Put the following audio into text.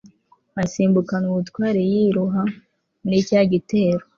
asimbukana ubutwari yiroha muri cya gitero